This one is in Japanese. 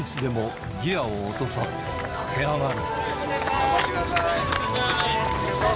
坂道でもギアを落とさず駆け上がる。